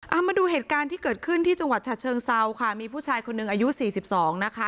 เอามาดูเหตุการณ์ที่เกิดขึ้นที่จังหวัดฉะเชิงเซาค่ะมีผู้ชายคนหนึ่งอายุสี่สิบสองนะคะ